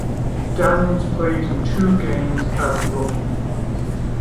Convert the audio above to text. Daniels played in two games as rookie.